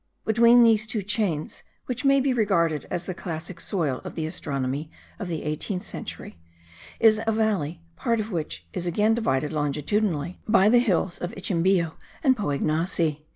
Between these two chains, which may be regarded as the classic soil of the astronomy of the 18th century, is a valley, part of which is again divided longitudinally by the hills of Ichimbio and Poignasi.